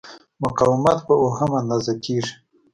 مقاومت په اوهم اندازه کېږي.